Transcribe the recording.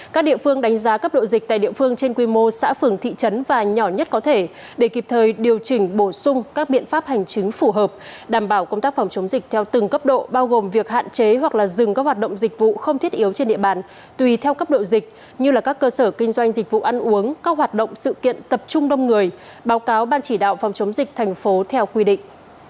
các địa phương đánh giá cấp độ dịch tại địa phương trên quy mô xã phường thị trấn và nhỏ nhất có thể để kịp thời điều chỉnh bổ sung các biện pháp hành chứng phù hợp đảm bảo công tác phòng chống dịch theo từng cấp độ bao gồm việc hạn chế hoặc dừng các hoạt động dịch vụ không thiết yếu trên địa bàn tùy theo cấp độ dịch như các cơ sở kinh doanh dịch vụ ăn uống các hoạt động sự kiện tập trung đông người báo cáo ban chỉ đạo phòng chống dịch thành phố theo quy định